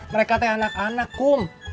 mereka anak anak kum